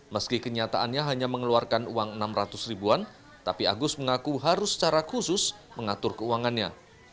meski kenyataannya hanya mengeluarkan uang enam ratus ribuan tapi agus mengaku harus secara khusus mengatur keuangannya